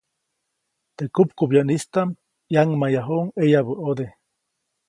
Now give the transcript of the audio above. Teʼ kupkubyäʼnistaʼm ʼyaŋmayjayuʼuŋ ʼeyabä ʼode.